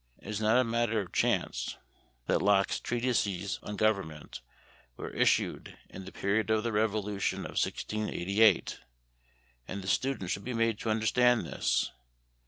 It is not a matter of chance that Locke's Treatises on Government were issued in the period of the Revolution of 1688 and the student should be made to understand this.